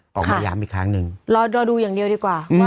ออกมาย้ำอีกครั้งหนึ่งรอดูอย่างเดียวดีกว่า